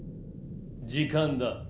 「時間だ。